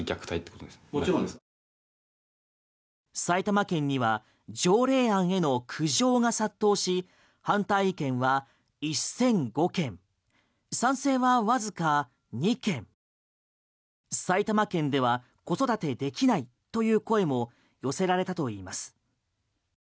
埼玉県には条例案への苦情が殺到し反対意見は１００５件賛成はわずか２件埼玉県では子育てできないという声も寄せられたといいます。